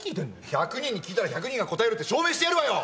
１００人に聞いたら１００人が答えるって証明してやるわよ！